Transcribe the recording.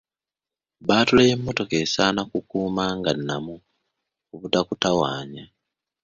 Bbaatule y'emmotoka esaana okukuuma nga nnamu obutakutawaanya.